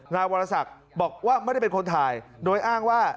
นายวรศักดิ์บอกว่าไม่ได้เป็นคนถ่ายโดยอ้างว่า